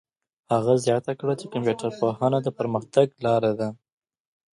هغه زیاته کړه چي کمپيوټر پوهنه د پرمختګ لاره ده.